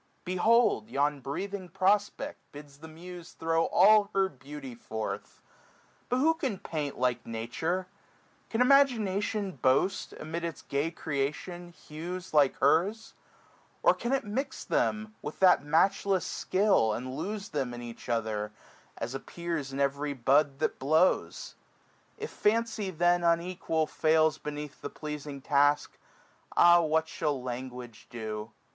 Behold yon breathing prospect bids the muse Throw all her beauty forth* But who can paint 465 Like Nature ? Can imagination boast. Amid its gay creation, hues like hers ? Or can it mix them with that matchless skill, And lose them in each other, as appears In every bud that blows ? If fancy then 470 Unequal fails beneath the pleasing task. Ah what shall language do